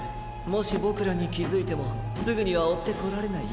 もしボクらにきづいてもすぐにはおってこられないよ。